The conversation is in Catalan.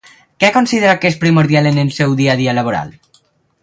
Què considera que és primordial en el seu dia a dia laboral?